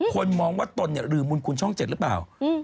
คนมองว่าตนหรือมุนคุณช่อง๗หรือเปล่า